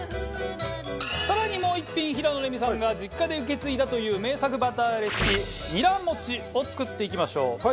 更にもう１品平野レミさんが実家で受け継いだという名作バターレシピにらもちを作っていきましょう。